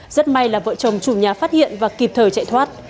rất may là vợ chồng chủ nhà phát hiện và kịp thời chạy thoát